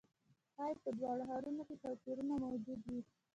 ښايي په دواړو ښارونو کې توپیرونه موجود وي.